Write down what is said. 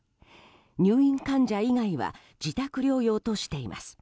入院患者以外は自宅療養としています。